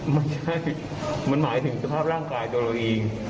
ไม่ใช่มันหมายถึงสภาพร่างกายตัวเราเอง